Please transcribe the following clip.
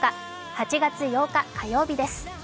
８月８日火曜日です。